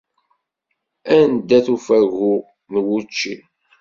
Anda-t ufagu n wučči?